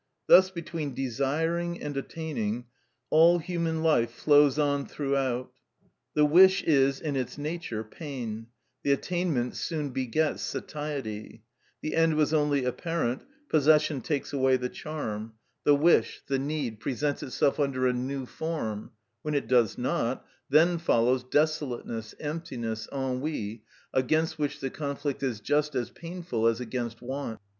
Thus between desiring and attaining all human life flows on throughout. The wish is, in its nature, pain; the attainment soon begets satiety: the end was only apparent; possession takes away the charm; the wish, the need, presents itself under a new form; when it does not, then follows desolateness, emptiness, ennui, against which the conflict is just as painful as against want.